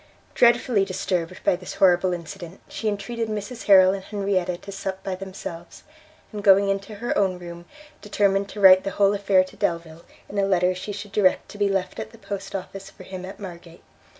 Dreadfully disturbed by this horrible incident, she entreated Mrs Harrel and Henrietta to sup by themselves, and going into her own room, determined to write the whole affair to Delvile, in a letter she should direct to be left at the post office for him at Margate.